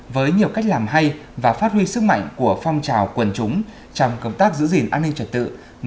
với nhiều cách làm hay và phát huy sức mạnh của phong trào quần chúng trong công tác giữ gìn an ninh trật tự